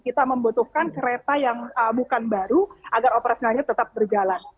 kita membutuhkan kereta yang bukan baru agar operasionalnya terbang